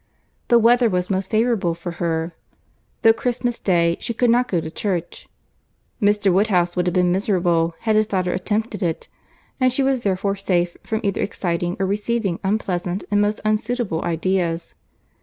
The weather was most favourable for her; though Christmas Day, she could not go to church. Mr. Woodhouse would have been miserable had his daughter attempted it, and she was therefore safe from either exciting or receiving unpleasant and most unsuitable ideas.